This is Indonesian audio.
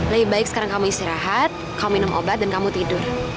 lebih baik sekarang kamu istirahat kamu minum obat dan kamu tidur